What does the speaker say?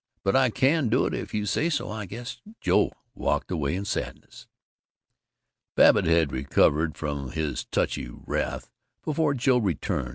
But I can do it if you say so I guess." Joe walked away in sadness. Babbitt had recovered from his touchy wrath before Joe returned.